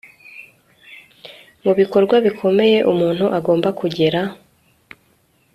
mubikorwa bikomeye umuntu agomba kugera